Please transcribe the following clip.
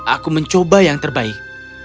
aku mencoba yang terbaik